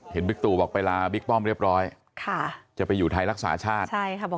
บิ๊กตูบอกไปลาบิ๊กป้อมเรียบร้อยจะไปอยู่ไทยรักษาชาติ